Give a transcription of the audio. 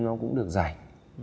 nó cũng được rảnh